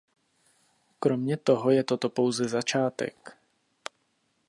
Kromě toho je toto pouze začátek.